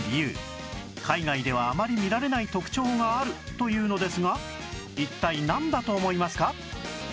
海外ではあまり見られない特徴があるというのですが一体なんだと思いますか？